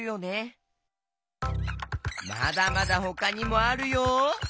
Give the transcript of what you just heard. まだまだほかにもあるよ。